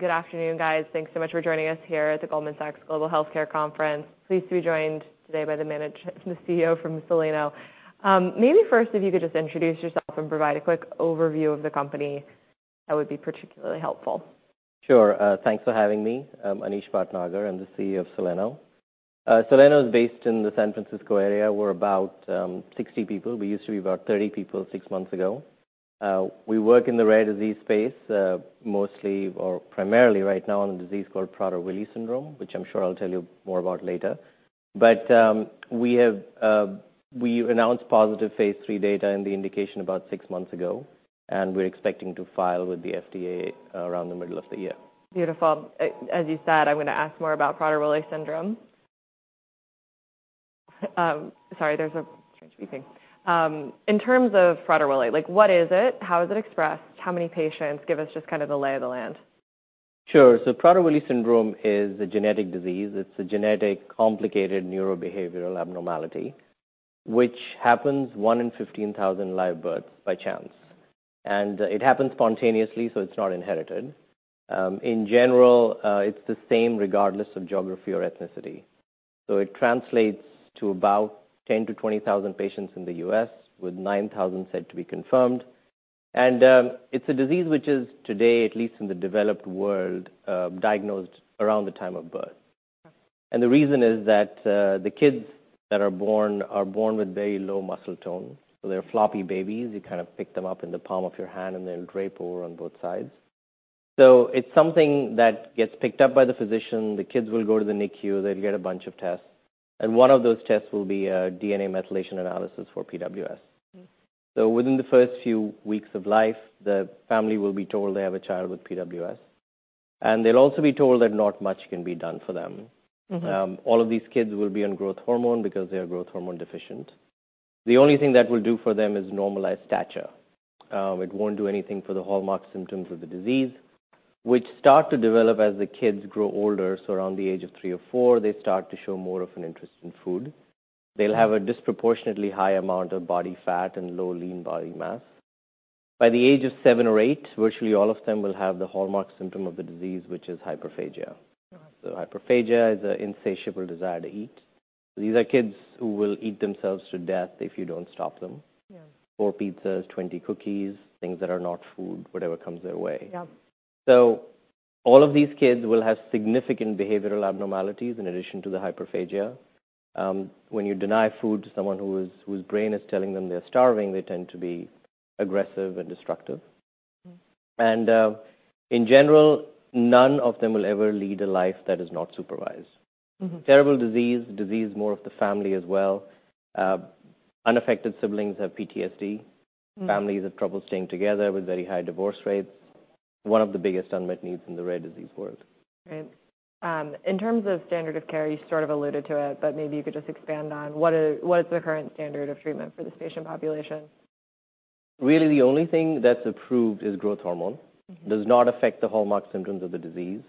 Good afternoon, guys. Thanks so much for joining us here at the Goldman Sachs Global Healthcare Conference. Pleased to be joined today by the manager, the CEO from Soleno. Maybe first, if you could just introduce yourself and provide a quick overview of the company, that would be particularly helpful. Sure. Thanks for having me. Anish Bhatnagar, I'm the CEO of Soleno. Soleno is based in the San Francisco area. We're about 60 people. We used to be about 30 people six months ago. We work in the rare disease space, mostly or primarily right now on a disease called Prader-Willi syndrome, which I'm sure I'll tell you more about later. But we have, we announced positive phase 3 data in the indication about six months ago, and we're expecting to file with the FDA around the middle of the year. Beautiful. As you said, I'm gonna ask more about Prader-Willi syndrome. Sorry, there's a strange beeping. In terms of Prader-Willi, like, what is it? How is it expressed? How many patients? Give us just kind of the lay of the land. Sure. So Prader-Willi syndrome is a genetic disease. It's a genetic complicated neurobehavioral abnormality which happens 1 in 15,000 live births by chance. It happens spontaneously, so it's not inherited. In general, it's the same regardless of geography or ethnicity. So it translates to about 10,000-20,000 patients in the U.S., with 9,000 said to be confirmed. It's a disease which is today, at least in the developed world, diagnosed around the time of birth. Okay. The reason is that, the kids that are born are born with very low muscle tone. They're floppy babies. You kind of pick them up in the palm of your hand, and they'll drape over on both sides. It's something that gets picked up by the physician. The kids will go to the NICU. They'll get a bunch of tests. One of those tests will be a DNA methylation analysis for PWS. Mm-hmm. Within the first few weeks of life, the family will be told they have a child with PWS. They'll also be told that not much can be done for them. Mm-hmm. All of these kids will be on Growth hormone because they are Growth hormone deficient. The only thing that will do for them is normalize stature. It won't do anything for the hallmark symptoms of the disease, which start to develop as the kids grow older. So around the age of 3 or 4, they start to show more of an interest in food. They'll have a disproportionately high amount of body fat and low lean body mass. By the age of 7 or 8, virtually all of them will have the hallmark symptom of the disease, which is hyperphagia. Okay. Hyperphagia is an insatiable desire to eat. These are kids who will eat themselves to death if you don't stop them. Yeah. 4 pizzas, 20 cookies, things that are not food, whatever comes their way. Yeah. All of these kids will have significant behavioral abnormalities in addition to the hyperphagia. When you deny food to someone whose brain is telling them they're starving, they tend to be aggressive and destructive. Mm-hmm. In general, none of them will ever lead a life that is not supervised. Mm-hmm. Terrible disease, disease more of the family as well. Unaffected siblings have PTSD. Mm-hmm. Families have trouble staying together with very high divorce rates. One of the biggest unmet needs in the rare disease world. In terms of standard of care, you sort of alluded to it, but maybe you could just expand on what is the current standard of treatment for this patient population? Really, the only thing that's approved is growth hormone. Mm-hmm. Does not affect the hallmark symptoms of the disease.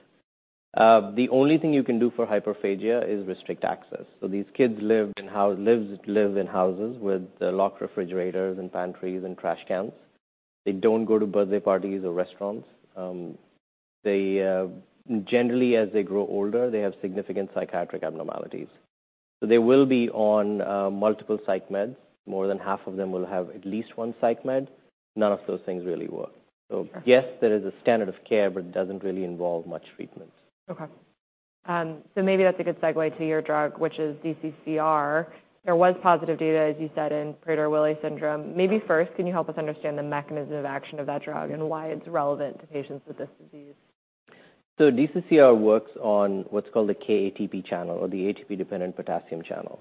The only thing you can do for hyperphagia is restrict access. So these kids live in houses with locked refrigerators and pantries and trash cans. They don't go to birthday parties or restaurants. They, generally, as they grow older, have significant psychiatric abnormalities. So they will be on multiple psych meds. More than half of them will have at least one psych med. None of those things really work. Okay. Yes, there is a standard of care, but it doesn't really involve much treatment. Okay. So maybe that's a good segue to your drug, which is DCCR. There was positive data, as you said, in Prader-Willi syndrome. Maybe first, can you help us understand the mechanism of action of that drug and why it's relevant to patients with this disease? So DCCR works on what's called the KATP channel or the ATP-dependent potassium channel.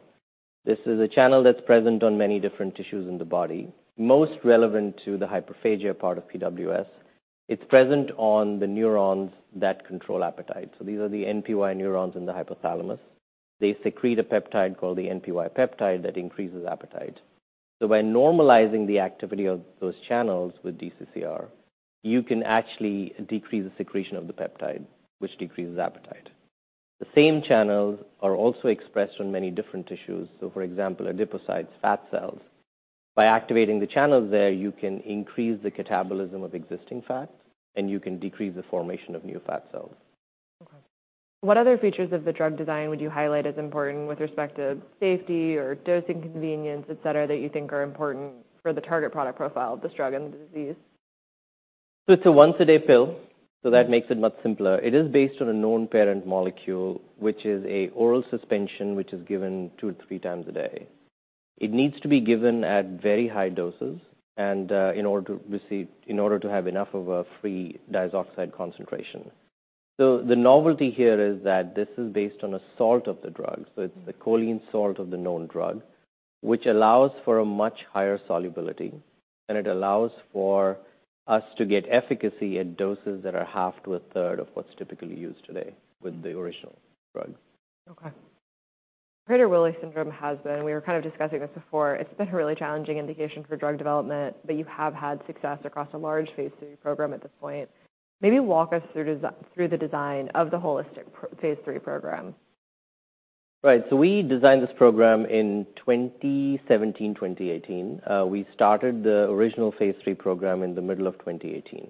This is a channel that's present on many different tissues in the body, most relevant to the hyperphagia part of PWS. It's present on the neurons that control appetite. So these are the NPY neurons in the hypothalamus. They secrete a peptide called the NPY peptide that increases appetite. So by normalizing the activity of those channels with DCCR, you can actually decrease the secretion of the peptide, which decreases appetite. The same channels are also expressed on many different tissues. So, for example, adipocytes, fat cells. By activating the channels there, you can increase the catabolism of existing fats, and you can decrease the formation of new fat cells. Okay. What other features of the drug design would you highlight as important with respect to safety or dosing convenience, etc., that you think are important for the target product profile of this drug and the disease? It's a once-a-day pill. That makes it much simpler. It is based on a known parent molecule, which is an oral suspension which is given 2-3 times a day. It needs to be given at very high doses and, in order to have enough of a free diazoxide concentration. The novelty here is that this is based on a salt of the drug. It's the choline salt of the known drug, which allows for a much higher solubility. It allows for us to get efficacy at doses that are half to a third of what's typically used today with the original drug. Okay. Prader-Willi syndrome has been, we were kind of discussing this before. It's been a really challenging indication for drug development, but you have had success across a large phase 3 program at this point. Maybe walk us through the design of the holistic phase 3 program. Right. So we designed this program in 2017, 2018. We started the original phase 3 program in the middle of 2018.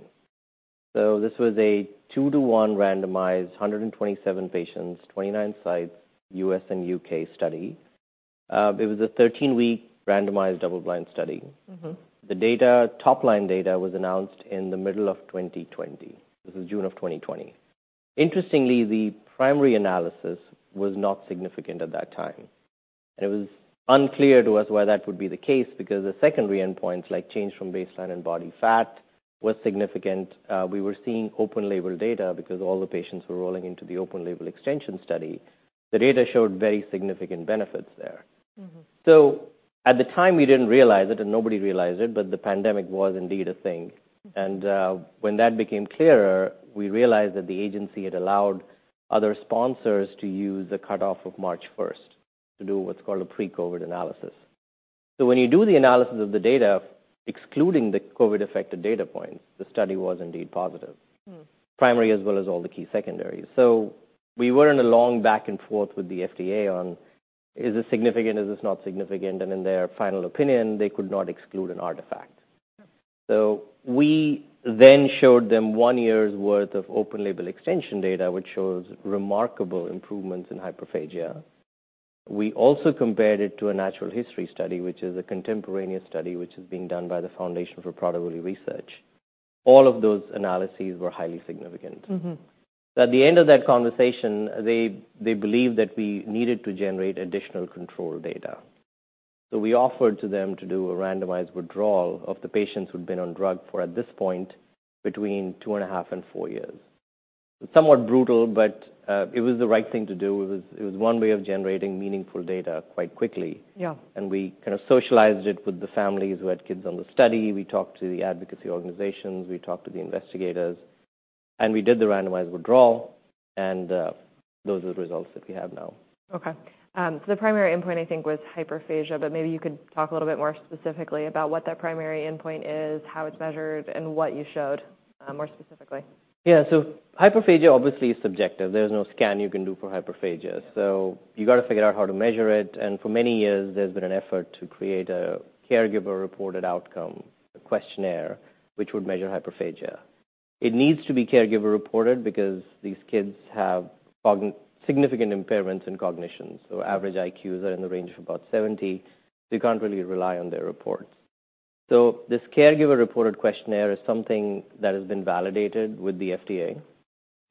So this was a 2-to-1 randomized 127 patients, 29 sites, U.S. and U.K. study. It was a 13-week randomized double-blind study. Mm-hmm. The data top-line data was announced in the middle of 2020. This is June of 2020. Interestingly, the primary analysis was not significant at that time. It was unclear to us why that would be the case because the secondary endpoints, like change from baseline and body fat, were significant. We were seeing open-label data because all the patients were rolling into the open-label extension study. The data showed very significant benefits there. Mm-hmm. So at the time, we didn't realize it, and nobody realized it, but the pandemic was indeed a thing. And when that became clearer, we realized that the agency had allowed other sponsors to use a cutoff of March 1st to do what's called a pre-COVID analysis. So when you do the analysis of the data, excluding the COVID-affected data points, the study was indeed positive. Primary as well as all the key secondaries. So we were in a long back-and-forth with the FDA on is this significant, is this not significant? And in their final opinion, they could not exclude an artifact. Okay. So we then showed them one year's worth of open-label extension data, which shows remarkable improvements in hyperphagia. We also compared it to a natural history study, which is a contemporaneous study which is being done by the Foundation for Prader-Willi Research. All of those analyses were highly significant. Mm-hmm. At the end of that conversation, they believed that we needed to generate additional control data. So we offered to them to do a randomized withdrawal of the patients who'd been on drug for, at this point, between 2.5 and 4 years. Somewhat brutal, but it was the right thing to do. It was one way of generating meaningful data quite quickly. Yeah. We kind of socialized it with the families who had kids on the study. We talked to the advocacy organizations. We talked to the investigators. We did the randomized withdrawal. Those are the results that we have now. Okay. So the primary endpoint, I think, was hyperphagia, but maybe you could talk a little bit more specifically about what that primary endpoint is, how it's measured, and what you showed, more specifically. Yeah. So hyperphagia obviously is subjective. There's no scan you can do for hyperphagia. So you gotta figure out how to measure it. And for many years, there's been an effort to create a caregiver-reported outcome questionnaire which would measure hyperphagia. It needs to be caregiver-reported because these kids have cognitively significant impairments in cognition. So average IQs are in the range of about 70. So you can't really rely on their reports. So this caregiver-reported questionnaire is something that has been validated with the FDA.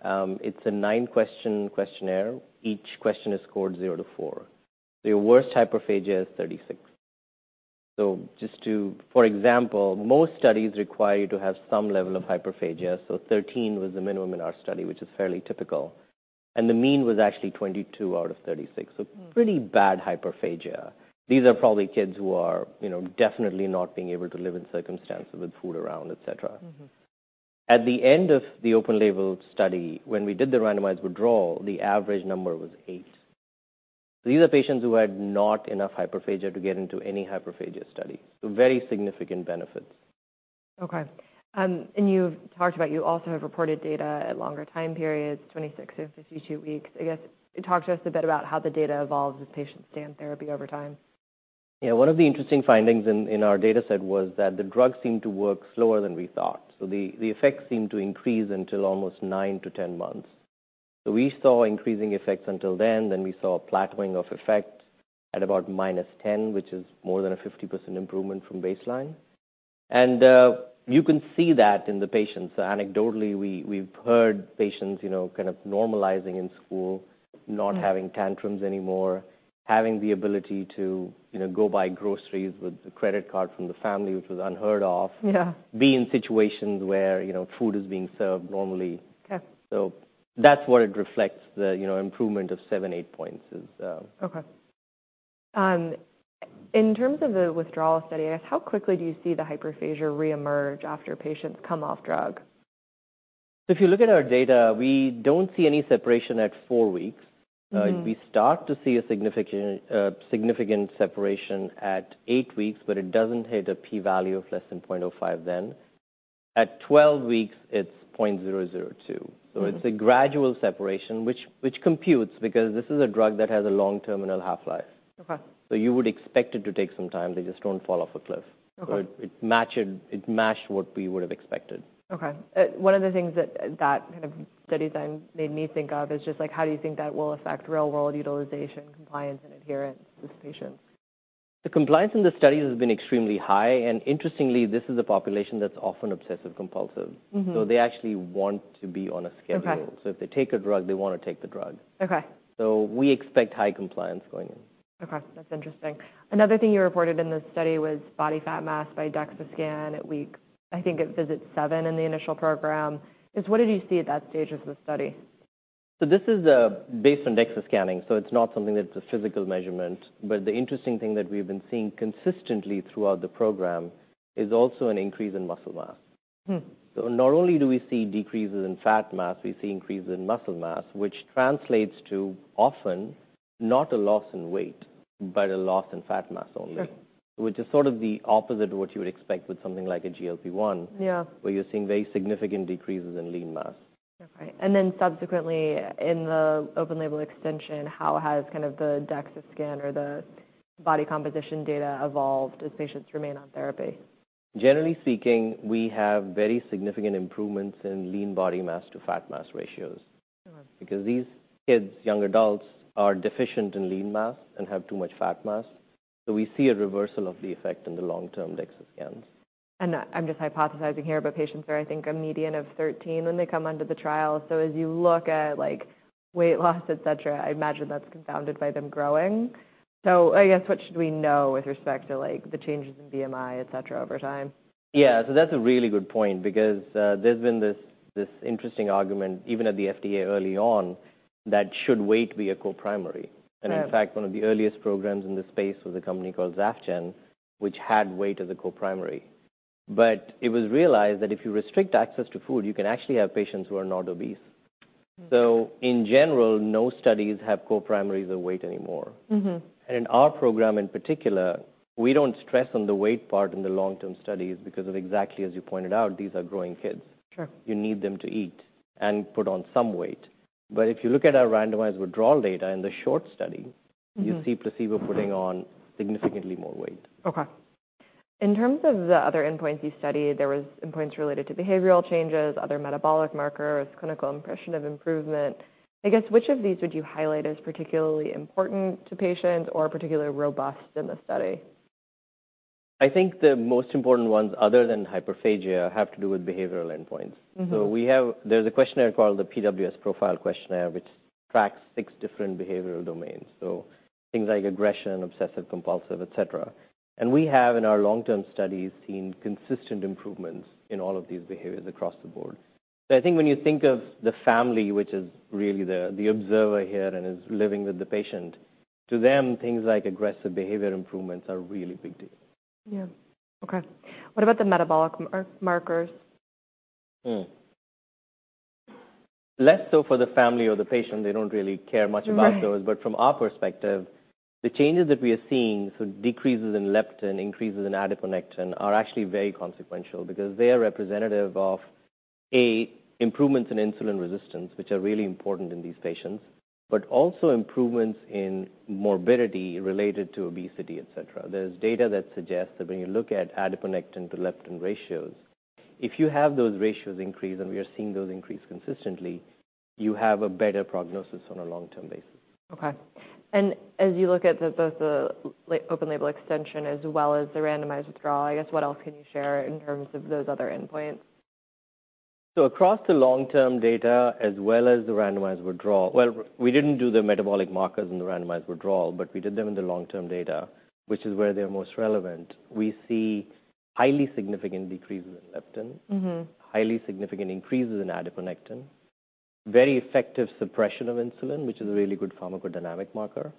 It's a 9-question questionnaire. Each question is scored 0-4. So your worst hyperphagia is 36. So just for example, most studies require you to have some level of hyperphagia. So 13 was the minimum in our study, which is fairly typical. And the mean was actually 22 out of 36. So pretty bad hyperphagia. These are probably kids who are, you know, definitely not being able to live in circumstances with food around, etc. Mm-hmm. At the end of the open-label study, when we did the randomized withdrawal, the average number was eight. So these are patients who had not enough hyperphagia to get into any hyperphagia study. So very significant benefits. Okay. You've talked about you also have reported data at longer time periods, 26 and 52 weeks. I guess talk to us a bit about how the data evolves with patient stand therapy over time. Yeah. One of the interesting findings in our data set was that the drug seemed to work slower than we thought. So the effects seemed to increase until almost 9-10 months. So we saw increasing effects until then. Then we saw a plateauing of effects at about -10, which is more than a 50% improvement from baseline. And you can see that in the patients. So anecdotally, we've heard patients, you know, kind of normalizing in school, not having tantrums anymore, having the ability to, you know, go buy groceries with the credit card from the family, which was unheard of. Yeah. Be in situations where, you know, food is being served normally. Okay. That's what it reflects, the, you know, improvement of 7-8 points is, Okay. In terms of the withdrawal study, I guess, how quickly do you see the hyperphagia reemerge after patients come off drug? If you look at our data, we don't see any separation at four weeks. Mm-hmm. We start to see a significant, significant separation at 8 weeks, but it doesn't hit a p-value of less than 0.05 then. At 12 weeks, it's 0.002. Mm-hmm. So it's a gradual separation, which computes because this is a drug that has a long terminal half-life. Okay. You would expect it to take some time. They just don't fall off a cliff. Okay. So it matched what we would have expected. Okay. One of the things that kind of studies then made me think of is just, like, how do you think that will affect real-world utilization, compliance, and adherence with patients? The compliance in the studies has been extremely high. Interestingly, this is a population that's often obsessive-compulsive. Mm-hmm. They actually want to be on a schedule. Okay. If they take a drug, they wanna take the drug. Okay. We expect high compliance going in. Okay. That's interesting. Another thing you reported in this study was body fat mass by DEXA scan at week, I think, at visit seven in the initial program. Just what did you see at that stage of the study? This is based on DEXA scanning. It's not something that's a physical measurement. The interesting thing that we've been seeing consistently throughout the program is also an increase in muscle mass. Not only do we see decreases in fat mass, we see increases in muscle mass, which translates to often not a loss in weight but a loss in fat mass only. Okay. Which is sort of the opposite of what you would expect with something like a GLP-1. Yeah. Where you're seeing very significant decreases in lean mass. Okay. And then subsequently, in the open-label extension, how has kind of the DEXA scan or the body composition data evolved as patients remain on therapy? Generally speaking, we have very significant improvements in lean body mass to fat mass ratios. Okay. Because these kids, young adults, are deficient in lean mass and have too much fat mass. So we see a reversal of the effect in the long-term DEXA scans. I'm just hypothesizing here, but patients are, I think, a median of 13 when they come onto the trial. So as you look at, like, weight loss, etc., I imagine that's confounded by them growing. So I guess, what should we know with respect to, like, the changes in BMI, etc., over time? Yeah. So that's a really good point because there's been this interesting argument, even at the FDA early on, that should weight be a co-primary. Okay. In fact, one of the earliest programs in this space was a company called Zafgen, which had weight as a co-primary. It was realized that if you restrict access to food, you can actually have patients who are not obese. In general, no studies have co-primary as a weight anymore. Mm-hmm. In our program in particular, we don't stress on the weight part in the long-term studies because of exactly, as you pointed out, these are growing kids. Sure. You need them to eat and put on some weight. But if you look at our randomized withdrawal data in the short study. Mm-hmm. You see placebo putting on significantly more weight. Okay. In terms of the other endpoints you studied, there were endpoints related to behavioral changes, other metabolic markers, clinical impression of improvement. I guess, which of these would you highlight as particularly important to patients or particularly robust in the study? I think the most important ones, other than hyperphagia, have to do with behavioral endpoints. Mm-hmm. We have, there's a questionnaire called the PWS Profile Questionnaire, which tracks six different behavioral domains. Things like aggression, obsessive-compulsive, etc. We have, in our long-term studies, seen consistent improvements in all of these behaviors across the board. I think when you think of the family, which is really the observer here and is living with the patient, to them, things like aggressive behavior improvements are really big deal. Yeah. Okay. What about the metabolic markers? Less so for the family or the patient. They don't really care much about those. Right. But from our perspective, the changes that we are seeing, so decreases in leptin, increases in adiponectin, are actually very consequential because they are representative of, A, improvements in insulin resistance, which are really important in these patients, but also improvements in morbidity related to obesity, etc. There's data that suggests that when you look at adiponectin to leptin ratios, if you have those ratios increase and we are seeing those increase consistently, you have a better prognosis on a long-term basis. Okay. As you look at both the open-label extension as well as the randomized withdrawal, I guess, what else can you share in terms of those other endpoints? Across the long-term data, as well as the randomized withdrawal well, we didn't do the metabolic markers in the randomized withdrawal, but we did them in the long-term data, which is where they're most relevant. We see highly significant decreases in leptin. Mm-hmm. Highly significant increases in adiponectin, very effective suppression of insulin, which is a really good pharmacodynamic marker.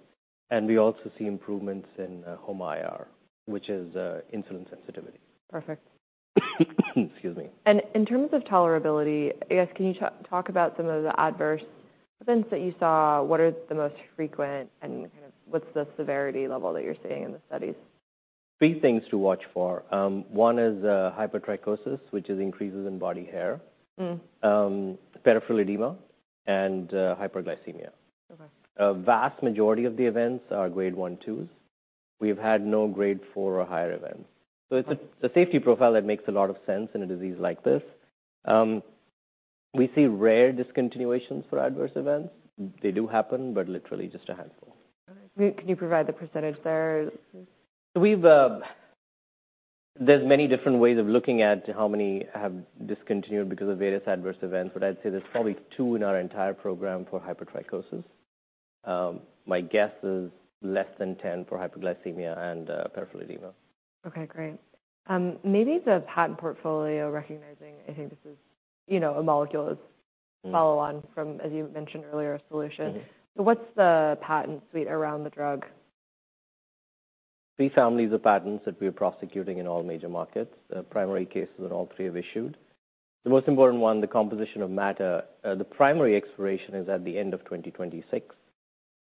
And we also see improvements in HOMA-IR, which is insulin sensitivity. Perfect. Excuse me. In terms of tolerability, I guess, can you talk about some of the adverse events that you saw? What are the most frequent and kind of what's the severity level that you're seeing in the studies? Three things to watch for. One is hypertrichosis, which is increases in body hair. Peripheral edema and hyperglycemia. Okay. A vast majority of the events are grade 1, 2s. We've had no grade 4 or higher events. So it's a safety profile that makes a lot of sense in a disease like this. We see rare discontinuations for adverse events. They do happen, but literally just a handful. Okay. Can you provide the percentage there? So we've, there's many different ways of looking at how many have discontinued because of various adverse events. But I'd say there's probably 2 in our entire program for hypertrichosis. My guess is less than 10 for hyperglycemia and peripheral edema. Okay. Great. Maybe the patent portfolio recognizing I think this is, you know, a molecule is follow-on from, as you mentioned earlier, a solution. Mm-hmm. What's the patent suite around the drug? Three families of patents that we are prosecuting in all major markets. Primary cases in all three have issued. The most important one, the composition of matter, the primary expiration is at the end of 2026.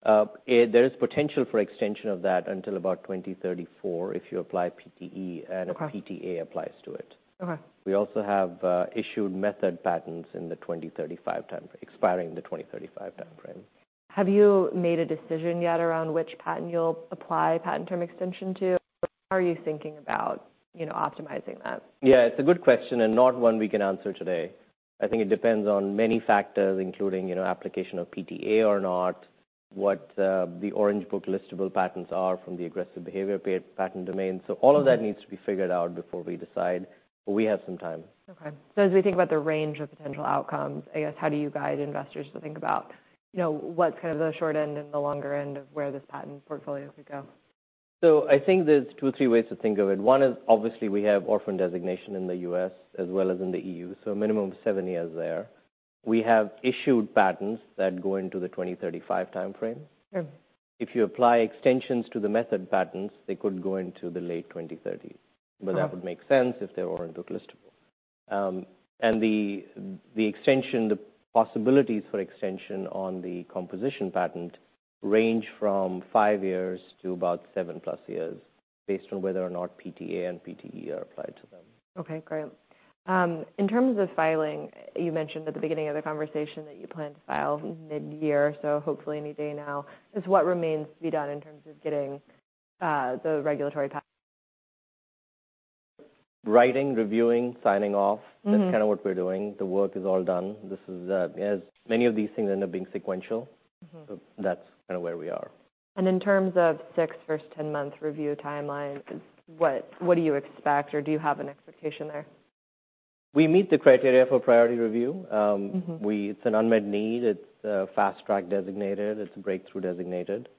But there is potential for extension of that until about 2034 if you apply PTE and. Okay. PTA applies to it. Okay. We also have issued method patents in the 2035 timeframe, expiring the 2035 timeframe. Have you made a decision yet around which patent you'll apply patent term extension to? Or how are you thinking about, you know, optimizing that? Yeah. It's a good question and not one we can answer today. I think it depends on many factors, including, you know, application of PTA or not, the Orange Book listable patents are from the aggressive behavior pair patent domain. So all of that. Mm-hmm. Needs to be figured out before we decide. But we have some time. Okay. So as we think about the range of potential outcomes, I guess, how do you guide investors to think about, you know, what's kind of the short end and the longer end of where this patent portfolio could go? I think there's two or three ways to think of it. One is, obviously, we have orphan designation in the U.S. as well as in the E.U. A minimum of seven years there. We have issued patents that go into the 2035 timeframe. Sure. If you apply extensions to the method patents, they could go into the late 2030s. Okay. That would make sense if they're Orange Book listable, and the possibilities for extension on the composition patent range from 5 years to about 7+ years based on whether or not PTA and PTE are applied to them. Okay. Great. In terms of filing, you mentioned at the beginning of the conversation that you plan to file mid-year, so hopefully any day now. Just what remains to be done in terms of getting the regulatory patent? Writing, reviewing, signing off. Mm-hmm. That's kind of what we're doing. The work is all done. This is, as many of these things end up being sequential. Mm-hmm. That's kind of where we are. In terms of 6 first 10-month review timeline, what do you expect or do you have an expectation there? We meet the criteria for priority review. Mm-hmm. Well, it's an unmet need. It's fast-track designated. It's a breakthrough designated.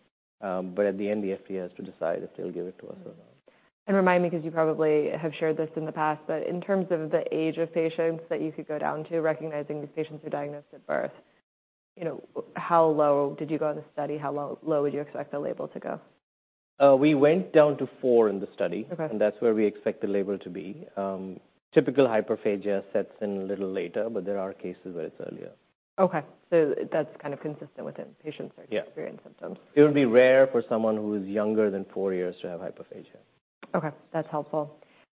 But at the end, the FDA has to decide if they'll give it to us or not. Remind me because you probably have shared this in the past, but in terms of the age of patients that you could go down to, recognizing these patients who diagnosed at birth, you know, how low did you go in the study? How low, low would you expect the label to go? We went down to 4 in the study. Okay. That's where we expect the label to be. Typical hyperphagia sets in a little later, but there are cases where it's earlier. Okay. So that's kind of consistent with patients starting to experience symptoms. Yeah. It would be rare for someone who is younger than four years to have hyperphagia. Okay. That's helpful.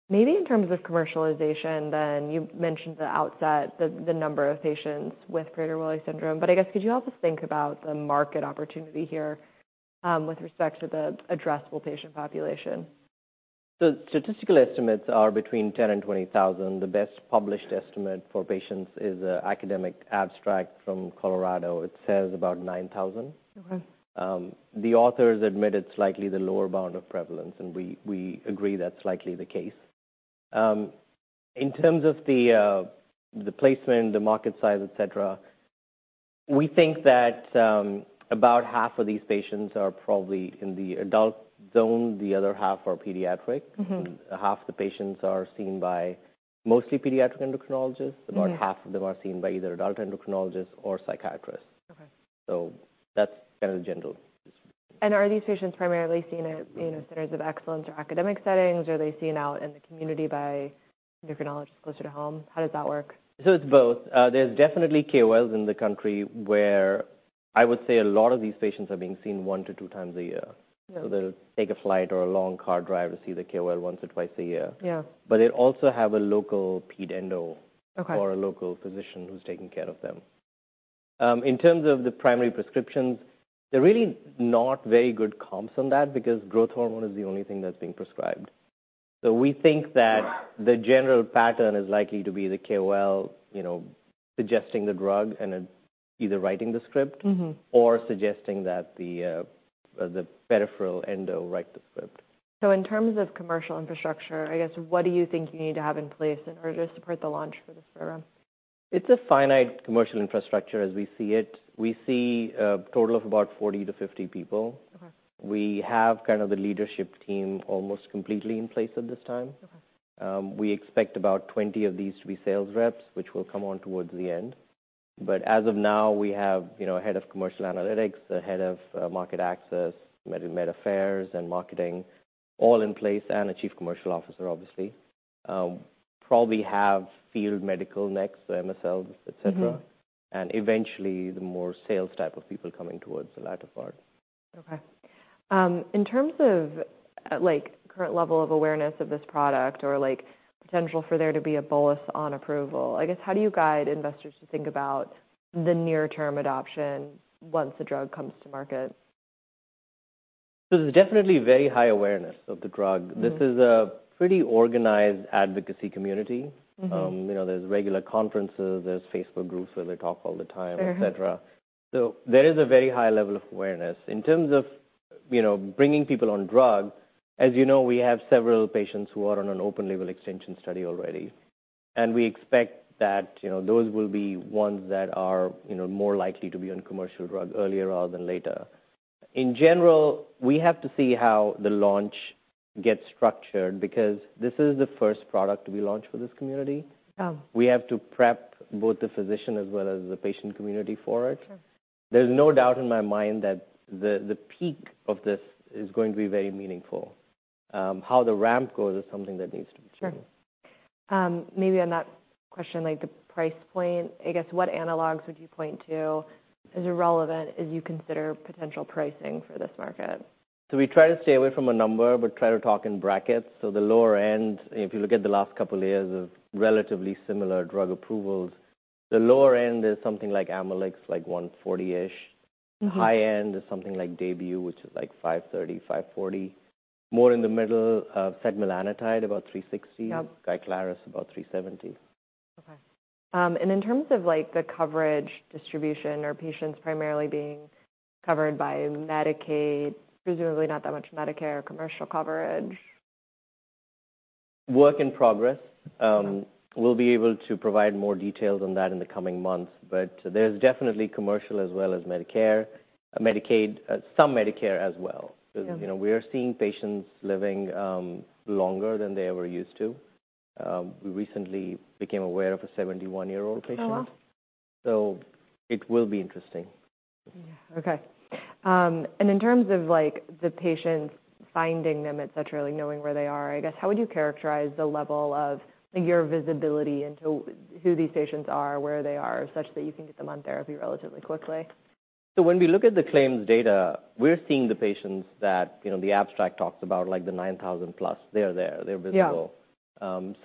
Maybe in terms of commercialization then, you mentioned the outset, the number of patients with Prader-Willi syndrome. But I guess, could you help us think about the market opportunity here, with respect to the addressable patient population? Statistical estimates are between 10,000-20,000. The best published estimate for patients is an academic abstract from Colorado. It says about 9,000. Okay. The authors admit it's likely the lower bound of prevalence, and we agree that's likely the case. In terms of the placement, the market size, etc., we think that about half of these patients are probably in the adult zone. The other half are pediatric. Mm-hmm. Half of the patients are seen by mostly pediatric endocrinologists. Okay. About half of them are seen by either adult endocrinologist or psychiatrist. Okay. That's kind of the general description. Are these patients primarily seen at, you know, centers of excellence or academic settings, or are they seen out in the community by endocrinologists closer to home? How does that work? So it's both. There's definitely KOLs in the country where I would say a lot of these patients are being seen 1-2 times a year. Yeah. They'll take a flight or a long car drive to see the KOL once or twice a year. Yeah. But they also have a local ped endo. Okay. Or a local physician who's taking care of them. In terms of the primary prescriptions, they're really not very good comps on that because growth hormone is the only thing that's being prescribed. So we think that the general pattern is likely to be the KOL, you know, suggesting the drug and either writing the script. Mm-hmm. Or suggesting that the peripheral endo write the script. In terms of commercial infrastructure, I guess, what do you think you need to have in place in order to support the launch for this program? It's a finite commercial infrastructure as we see it. We see a total of about 40-50 people. Okay. We have kind of the leadership team almost completely in place at this time. Okay. We expect about 20 of these to be sales reps, which will come on towards the end. But as of now, we have, you know, head of commercial analytics, the head of market access, medical affairs, and marketing all in place and a Chief Commercial Officer, obviously. Probably have field medical next, so MSLs, etc. Mm-hmm. Eventually, the more sales type of people coming towards the latter part. Okay. In terms of, like, current level of awareness of this product or, like, potential for there to be a bolus on approval, I guess, how do you guide investors to think about the near-term adoption once the drug comes to market? There's definitely very high awareness of the drug. Mm-hmm. This is a pretty organized advocacy community. Mm-hmm. You know, there's regular conferences. There's Facebook groups where they talk all the time, etc. Sure. So there is a very high level of awareness. In terms of, you know, bringing people on drug, as you know, we have several patients who are on an open-label extension study already. And we expect that, you know, those will be ones that are, you know, more likely to be on commercial drug earlier rather than later. In general, we have to see how the launch gets structured because this is the first product we launch for this community. Yeah. We have to prep both the physician as well as the patient community for it. Sure. There's no doubt in my mind that the peak of this is going to be very meaningful. How the ramp goes is something that needs to be determined. Sure. Maybe on that question, like, the price point, I guess, what analogs would you point to as relevant as you consider potential pricing for this market? So we try to stay away from a number but try to talk in brackets. So the lower end, if you look at the last couple of years of relatively similar drug approvals, the lower end is something like Amylyx, like 140-ish. Mm-hmm. High-end is something like Daybue, which is like $530-$540. More in the middle, Setmelanotide, about $360. Yeah. Skyclarys, about $370. Okay. In terms of, like, the coverage distribution or patients primarily being covered by Medicaid, presumably not that much Medicare or commercial coverage? Work in progress. Okay. We'll be able to provide more details on that in the coming months. But there's definitely commercial as well as Medicare, Medicaid, some Medicare as well. Mm-hmm. You know, we are seeing patients living longer than they ever used to. We recently became aware of a 71-year-old patient. Oh, wow. It will be interesting. Yeah. Okay. And in terms of, like, the patients, finding them, etc., like, knowing where they are, I guess, how would you characterize the level of, like, your visibility into who these patients are, where they are, such that you can get them on therapy relatively quickly? So when we look at the claims data, we're seeing the patients that, you know, the abstract talks about, like, the 9,000+. They're there. They're visible. Yeah.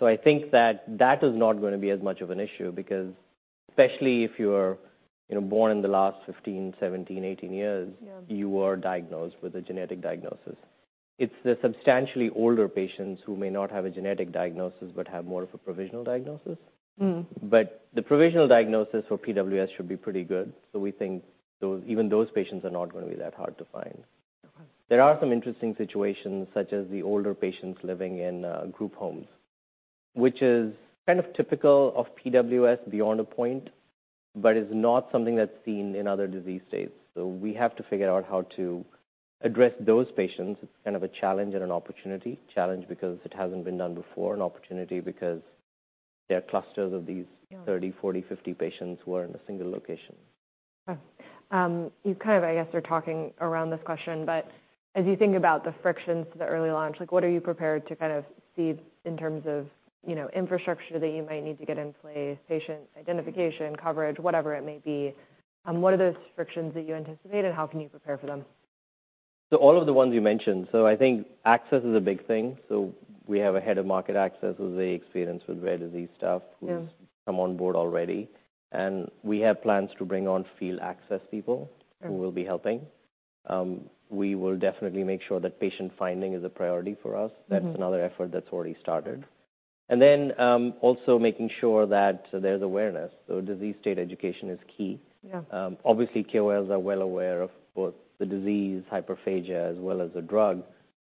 I think that that is not going to be as much of an issue because especially if you're, you know, born in the last 15, 17, 18 years. Yeah. You were diagnosed with a genetic diagnosis. It's the substantially older patients who may not have a genetic diagnosis but have more of a provisional diagnosis. But the provisional diagnosis for PWS should be pretty good. So we think those even those patients are not going to be that hard to find. Okay. There are some interesting situations such as the older patients living in group homes, which is kind of typical of PWS beyond a point but is not something that's seen in other disease states. So we have to figure out how to address those patients. It's kind of a challenge and an opportunity challenge because it hasn't been done before and opportunity because there are clusters of these. Yeah. 30, 40, 50 patients who are in a single location. Okay. You kind of, I guess, are talking around this question, but as you think about the frictions to the early launch, like, what are you prepared to kind of see in terms of, you know, infrastructure that you might need to get in place, patient identification, coverage, whatever it may be? What are those frictions that you anticipate, and how can you prepare for them? All of the ones you mentioned. I think access is a big thing. We have a head of market access who's very experienced with rare disease stuff. Yeah. Who's come on board already? We have plans to bring on field access people. Okay. Who will be helping? We will definitely make sure that patient finding is a priority for us. Mm-hmm. That's another effort that's already started. Then, also making sure that there's awareness. Disease state education is key. Yeah. Obviously, KOLs are well aware of both the disease, hyperphagia, as well as the drug.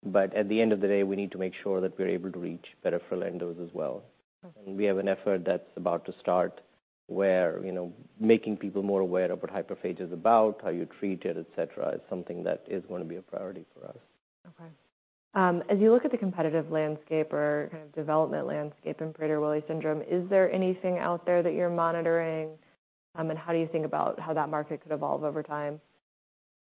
But at the end of the day, we need to make sure that we're able to reach peripheral endos as well. Okay. We have an effort that's about to start where, you know, making people more aware of what hyperphagia is about, how you treat it, etc., is something that is going to be a priority for us. Okay. As you look at the competitive landscape or kind of development landscape in Prader-Willi syndrome, is there anything out there that you're monitoring? And how do you think about how that market could evolve over time?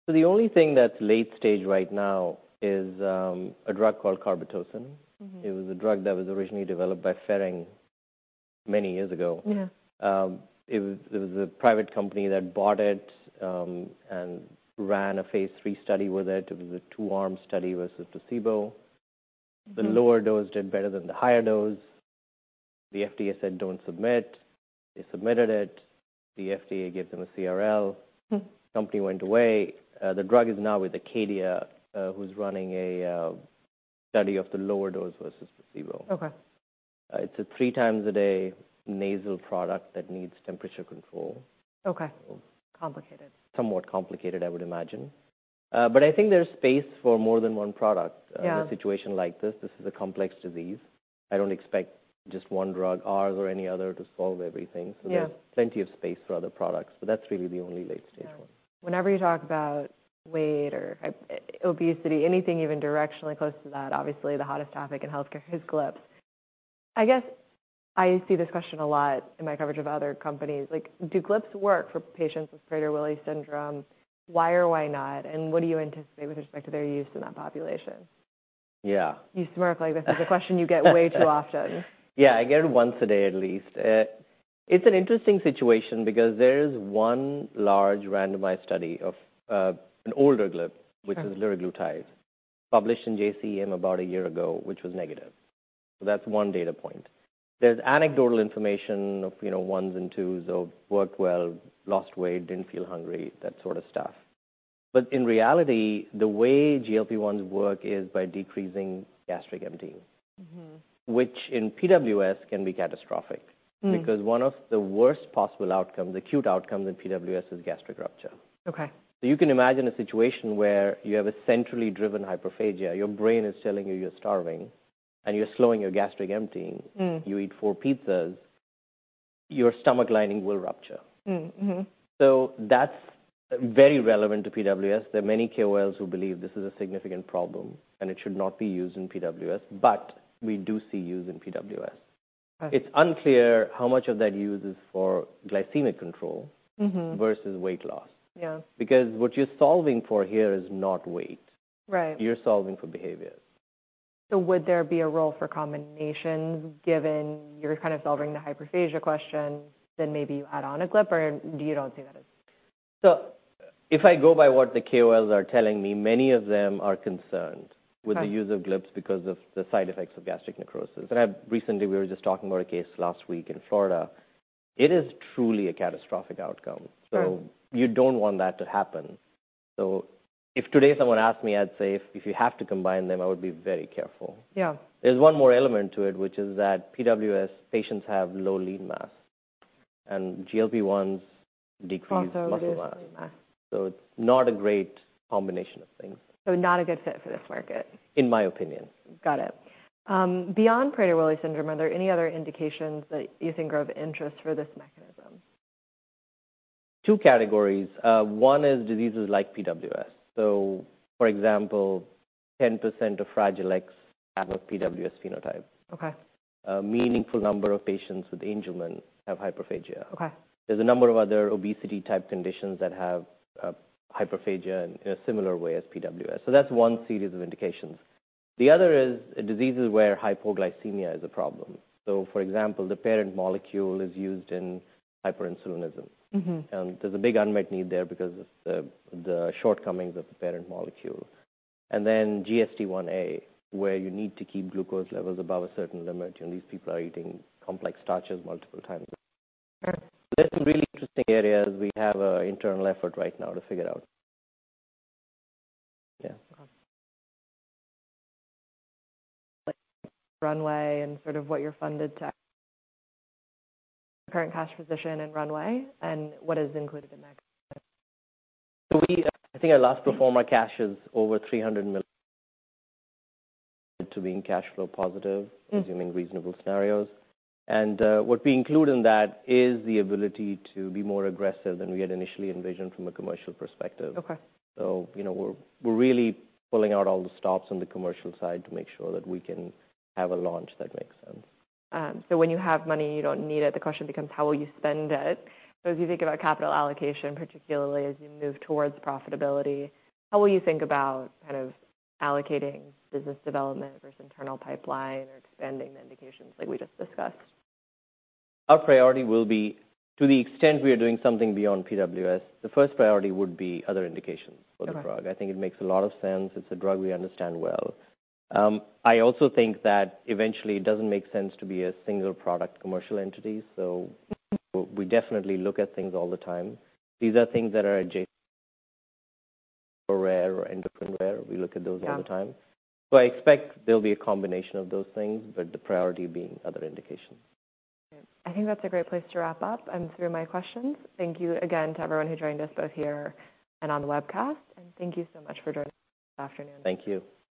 The only thing that's late stage right now is a drug called Carbetocin. Mm-hmm. It was a drug that was originally developed by Ferring many years ago. Yeah. It was a private company that bought it, and ran a phase 3 study with it. It was a 2-arm study versus placebo. Mm-hmm. The lower dose did better than the higher dose. The FDA said, "Don't submit." They submitted it. The FDA gave them a CRL. The company went away. The drug is now with Acadia, who's running a study of the lower dose versus placebo. Okay. It's a 3-times-a-day nasal product that needs temperature control. Okay. Complicated. Somewhat complicated, I would imagine. But I think there's space for more than one product. Yeah. In a situation like this. This is a complex disease. I don't expect just one drug, ours or any other, to solve everything. Yeah. There's plenty of space for other products. That's really the only late-stage one. Whenever you talk about weight or obesity, anything even directionally close to that, obviously, the hottest topic in healthcare is GLPs. I guess I see this question a lot in my coverage of other companies. Like, do GLPs work for patients with Prader-Willi syndrome? Why or why not? And what do you anticipate with respect to their use in that population? Yeah. You smirk like this. It's a question you get way too often. Yeah. I get it once a day at least. It's an interesting situation because there is one large randomized study of an older GLP. Mm-hmm. Which is liraglutide, published in JCEM about a year ago, which was negative. So that's one data point. There's anecdotal information of, you know, ones and twos of worked well, lost weight, didn't feel hungry, that sort of stuff. But in reality, the way GLP-1s work is by decreasing gastric emptying. Mm-hmm. Which in PWS can be catastrophic. Mm-hmm. Because one of the worst possible outcomes, acute outcomes in PWS, is gastric rupture. Okay. You can imagine a situation where you have a centrally driven hyperphagia. Your brain is telling you you're starving, and you're slowing your gastric emptying. You eat 4 pizzas. Your stomach lining will rupture. Mm-hmm. That's very relevant to PWS. There are many KOLs who believe this is a significant problem, and it should not be used in PWS. But we do see use in PWS. Okay. It's unclear how much of that use is for glycemic control. Mm-hmm. Versus weight loss. Yeah. Because what you're solving for here is not weight. Right. You're solving for behavior. Would there be a role for combinations given you're kind of solving the hyperphagia question, then maybe you add on a GLP, or do you don't see that as? If I go by what the KOLs are telling me, many of them are concerned. Yeah. With the use of GLPs because of the side effects of gastric necrosis. Recently we were just talking about a case last week in Florida. It is truly a catastrophic outcome. Yeah. So you don't want that to happen. So if today someone asked me, I'd say, "If you have to combine them, I would be very careful. Yeah. There's one more element to it, which is that PWS patients have low lean mass. GLP-1s decrease muscle mass. Also low lean mass. It's not a great combination of things. Not a good fit for this market. In my opinion. Got it. Beyond Prader-Willi syndrome, are there any other indications that you think are of interest for this mechanism? Two categories. One is diseases like PWS. So, for example, 10% of Fragile X have a PWS phenotype. Okay. A meaningful number of patients with Angelman have hyperphagia. Okay. There's a number of other obesity-type conditions that have hyperphagia in a similar way as PWS. So that's one series of indications. The other is diseases where hypoglycemia is a problem. So, for example, the parent molecule is used in hyperinsulinism. Mm-hmm. There's a big unmet need there because of the shortcomings of the parent molecule. Then GSD1a, where you need to keep glucose levels above a certain limit. You know, these people are eating complex starches multiple times. Sure. There's some really interesting areas we have an internal effort right now to figure out. Yeah. Okay. Like, runway and sort of what you're funded to current cash position in runway and what is included in that? We, I think our last pro forma cash is over $300 million to being cash flow positive. Mm-hmm. Assuming reasonable scenarios. What we include in that is the ability to be more aggressive than we had initially envisioned from a commercial perspective. Okay. You know, we're really pulling out all the stops on the commercial side to make sure that we can have a launch that makes sense. So when you have money and you don't need it, the question becomes, how will you spend it? As you think about capital allocation, particularly as you move towards profitability, how will you think about kind of allocating business development versus internal pipeline or expanding the indications like we just discussed? Our priority will be, to the extent we are doing something beyond PWS, the first priority would be other indications for the drug. Okay. I think it makes a lot of sense. It's a drug we understand well. I also think that eventually it doesn't make sense to be a single product commercial entity. So. Mm-hmm. We definitely look at things all the time. These are things that are adjacent or rare or endocrine rare. We look at those all the time. Yeah. I expect there'll be a combination of those things, but the priority being other indications. Okay. I think that's a great place to wrap up and through my questions. Thank you again to everyone who joined us both here and on the webcast. And thank you so much for joining this afternoon. Thank you.